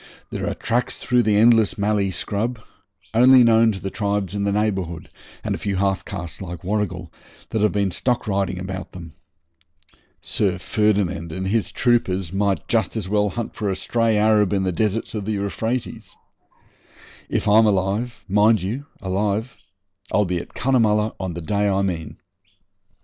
There are tracks through the endless mallee scrub, only known to the tribes in the neighbourhood, and a few half castes like Warrigal, that have been stock riding about them. Sir Ferdinand and his troopers might just as well hunt for a stray Arab in the deserts of the Euphrates. If I'm alive mind you, alive I'll be at Cunnamulla on the day I mean.